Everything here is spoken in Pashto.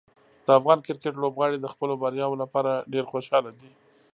د افغان کرکټ لوبغاړي د خپلو بریاوو لپاره ډېر خوشحاله دي.